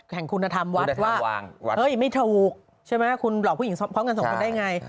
แห่งคุณธรรมวัดว่าเฮ้ยไม่ถูกใช่ไหมคุณหลอกผู้หญิงเพราะเงินสองคนได้ไง